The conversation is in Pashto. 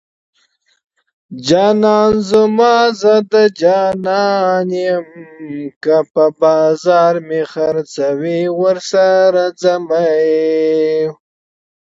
جانان زما زه د جانان يم که په بازار مې خرڅوي ورسره ځمه